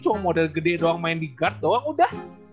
cuma model gede doang main di guard doang udah